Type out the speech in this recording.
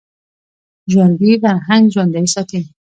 ژوندي فرهنګ ژوندی ساتي